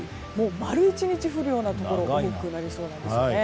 丸一日降るようなところも多くなりそうなんです。